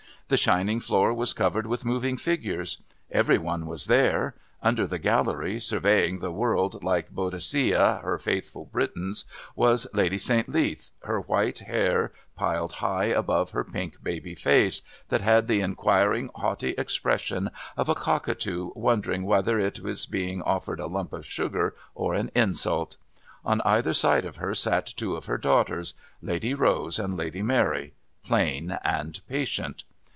The shining floor was covered with moving figures. Every one was there. Under the Gallery, surveying the world like Boadicea her faithful Britons, was Lady St. Leath, her white hair piled high above her pink baby face, that had the inquiring haughty expression of a cockatoo wondering whether it is being offered a lump of sugar or an insult. On either side of her sat two of her daughters, Lady Rose and Lady Mary, plain and patient.